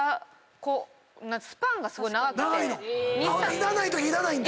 いらないときいらないんだ。